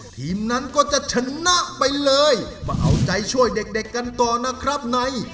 ทีมนั้นก็จะชนะไปเลยมาเอาใจช่วยเด็กเด็กกันต่อนะครับใน